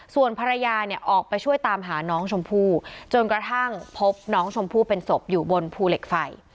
ส่วนภรรยาเนี่ยออกไปช่วยตามหาน้องชมพู่จนกระทั่งพบน้องชมพู่เป็นศพอยู่บนภูเหล็กไฟ